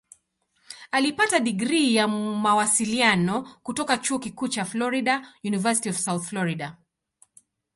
Alipata digrii ya Mawasiliano kutoka Chuo Kikuu cha Florida "University of South Florida".